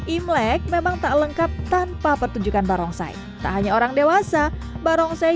imlek memang tak lengkap tanpa pertunjukan barongsai tak hanya orang dewasa barongsai